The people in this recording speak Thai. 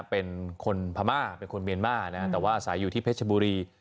เป็นคนพม่าเป็นคนเมียนมาร์แต่ว่าอาศัยอยู่ที่เพชรบุรี